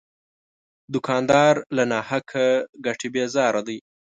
دوکاندار له ناحقه ګټې بیزاره دی.